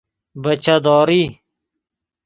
بچه داری